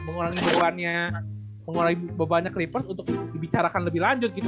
mengurangi bebannya mengurangi bebannya report untuk dibicarakan lebih lanjut gitu